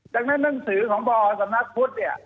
ดังนั้นหนังสือของพสำนักพุทธเนี่ย